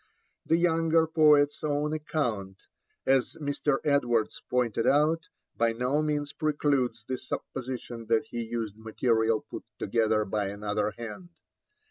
The younger poet's own account, as Mr. Edwards pointed out, by no means precludes the supposition that he used material put together by another hand.